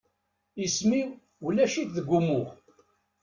Isem-iw ulac-it deg umuɣ.